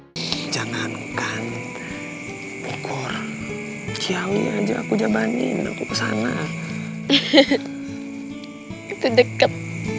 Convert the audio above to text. hai jangan kan ukur kiawi aja aku jabanin aku sana itu deket